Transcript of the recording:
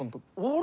俺。